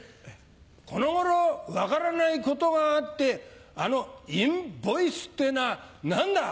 この頃分からないことがあってあのインボイスってのは何だ！